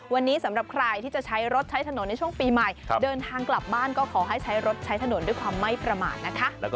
วันนี้สำหรับใครที่จะใช้รถใช้ถนนในช่วงปีใหม่เดินทางกลับบ้านก็ขอให้ใช้รถใช้ถนนด้วยความไม่ประมาทนะคะ